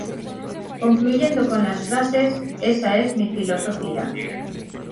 Concluyendo con las frases "Esa es mi filosofía".